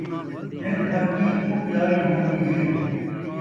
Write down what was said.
جن٘د ہر کئیں کوں پیاری ہون٘دی ہے